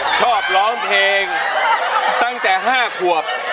ชอบร้องเพลงตั้งแต่๕ขวบ